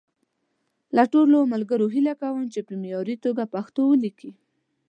له ټولو ملګرو هیله کوم چې په معیاري توګه پښتو وليکي.